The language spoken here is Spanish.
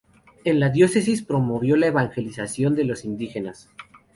En la diócesis promovió la evangelización de los indígenas.